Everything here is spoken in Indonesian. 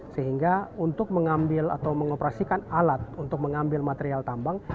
sehingga untuk mengambil atau mengoperasikan alat untuk mengambil material tambang